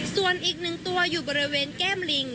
ส่วนอีกหนึ่งตัวอยู่บริเวณแก้มลิง